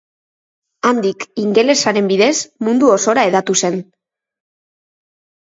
Handik ingelesaren bidez mundu osora hedatu zen.